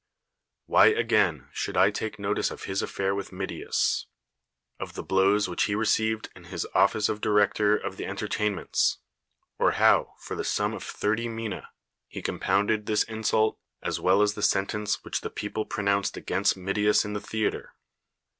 Why, again, should I take notice of his ai'fair with ]\[idias; of the blows which he received in his office of director of the 200 ^SCHINES entertainments; or how, for the sum of thirty niinas he compounded this insult, as well as the sentence which the people pronounced against Midias in the theater?